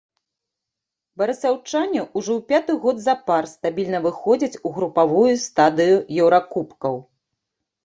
Барысаўчане ўжо пяты год запар стабільна выходзяць у групавую стадыю еўракубкаў.